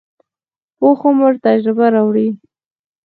پوخ عمر تجربه راوړي